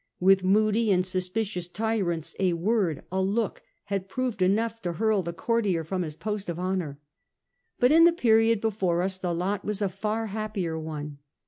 With moody and suspicious tyrants, a word, a look, had proved enough to hurl the courtier from his post of honour. But in the period before us the lot was a far happier one.